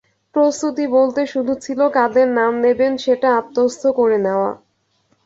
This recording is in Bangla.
প্রস্তুতি বলতে শুধু ছিল কাদের নাম নেবেন সেটা আত্মস্থ করে নেওয়া।